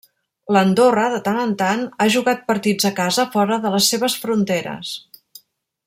L'Andorra, de tant en tant ha jugat partits a casa fora de les seves fronteres.